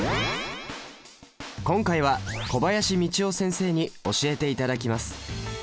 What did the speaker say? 今回は小林道夫先生に教えていただきます。